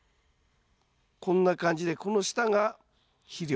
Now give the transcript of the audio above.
こんな感じでこの下が肥料。